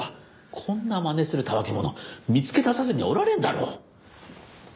こんなまねするたわけ者見つけ出さずにはおられんだろう。